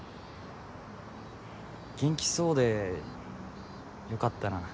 元気そうでよかったな。